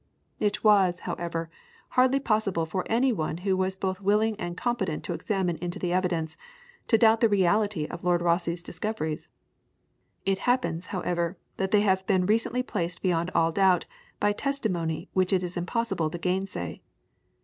It was, however, hardly possible for any one who was both willing and competent to examine into the evidence, to doubt the reality of Lord Rosse's discoveries. It happens, however, that they have been recently placed beyond all doubt by testimony which it is impossible to gainsay.